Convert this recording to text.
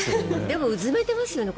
でも、うずめてますよね。